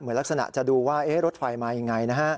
เหมือนลักษณะจะดูว่ารถไฟมาอย่างไรนะครับ